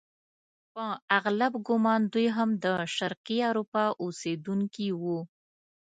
په اغلب ګومان دوی هم د شرقي اروپا اوسیدونکي وو.